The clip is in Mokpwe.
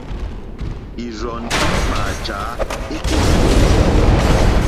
Ìrzɔ́ ndí mǎjǎ éělélé.